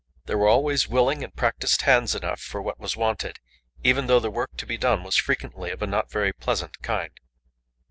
There were always willing and practised hands enough for what was wanted, even though the work to be done was frequently of a not very pleasant kind.